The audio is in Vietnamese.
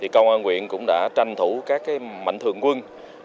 công an quyện cũng đã tranh thủ các mạnh thường quân